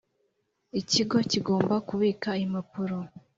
Ikigo kigomba kubika impapuro